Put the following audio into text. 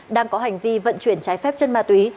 đang có hành vi vận chuyển trái phép chân ma túy